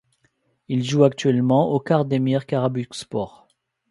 Il joue actuellement au Kardemir Karabükspor.